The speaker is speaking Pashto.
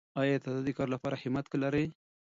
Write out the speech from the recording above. آیا ته د دې کار لپاره همت لرې؟